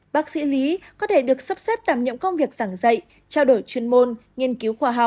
bác sĩ lý có thể được sắp xếp đảm nhiệm công việc giảng dạy trao đổi chuyên môn nghiên cứu khoa học